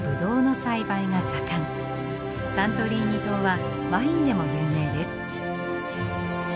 サントリーニ島はワインでも有名です。